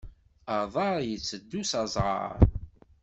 Aḍar yetteddu s aẓar.